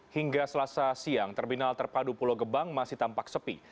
hingga selasa siang terminal terpadu pulau gebang masih tampak sepi